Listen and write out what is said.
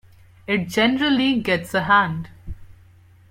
It generally gets a hand.